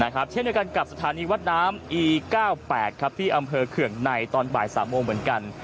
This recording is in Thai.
นะครับเช่นด้วยกันกับสถานีวัดน้ำอีเก้าแปดครับที่อำเภอเขื่องในตอนบ่ายสามโมงเหมือนกัน